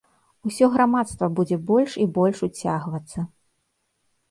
Усё грамадства будзе больш і больш уцягвацца.